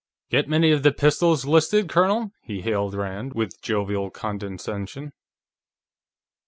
"Get many of the pistols listed, Colonel?" he hailed Rand, with jovial condescension.